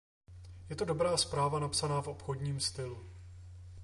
Je to dobrá zpráva napsaná v obchodním stylu.